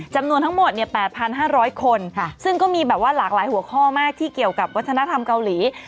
จำนวนทั้งหมด๘๕๐๐คนซึ่งก็มีแบบว่าหลากหลายหัวข้อมากที่เกี่ยวกับวัฒนธรรมเกาหลี